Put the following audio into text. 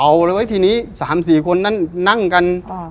เอาเลยไว้ทีนี้สามสี่คนนั่นนั่งกันอ่า